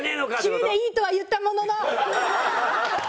「９位でいい」とは言ったものの！